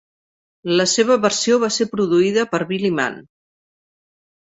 La seva versió va ser produïda per Billy Mann.